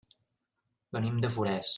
Venim de Forès.